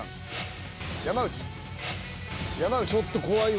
ちょっと怖いわ。